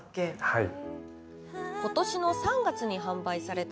はい。